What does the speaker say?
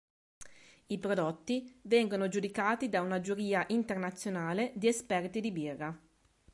I prodotti vengono giudicati da una giuria internazionale di esperti di birra.